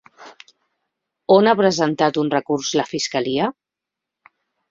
On ha presentat un recurs la fiscalia?